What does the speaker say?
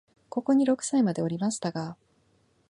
ここに六歳までおりましたが、